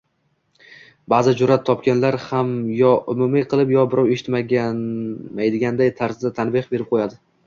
Baʼzi jurʼat topganlar ham yo umumiy qilib, yo birov eshitmaydiganroq tarzda tanbeh berib qoʻyadi